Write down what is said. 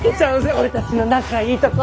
オレたちの仲いいとこ。